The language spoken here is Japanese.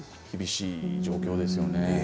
厳しい状況ですよね。